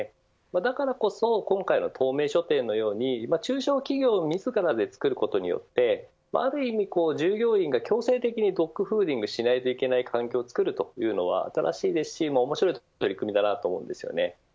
だからこそ今回の透明書店のように中小企業を自らで作ることである意味、従業員が強制的にドッグフーディングしなければいけない環境を作るというのは新しいし面白い取り組みだと思います。